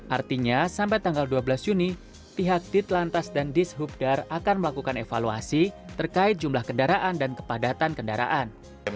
artinya sampai tanggal dua belas juni pihak ditlantas dan dishubdar akan melakukan evaluasi terkait jumlah kendaraan dan kepadatan kendaraan